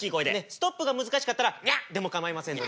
ストップが難しかったら「ニャッ！」でもかまいませんので。